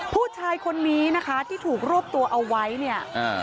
ผู้ชายคนนี้นะคะที่ถูกรวบตัวเอาไว้เนี่ยอ่า